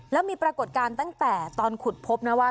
แล้วมีปรากฏการณ์ตั้งแต่ตอนขุดพบนะว่า